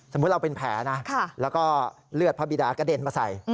เราเป็นแผลนะแล้วก็เลือดพระบิดากระเด็นมาใส่